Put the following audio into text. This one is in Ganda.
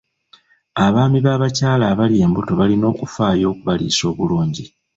Abaami b'abakyala abali embuto balina okufaayo okubaliisa obulungi.